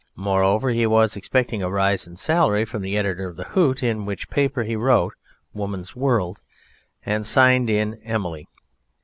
Moreover, he was expecting a rise in salary from the editor of the Hoot, in which paper he wrote "Woman's World", and signed it "Emily".